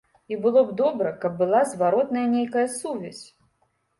І было б добра, каб была зваротная нейкая сувязь.